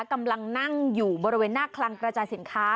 กำลังนั่งอยู่บริเวณหน้าคลังกระจายสินค้า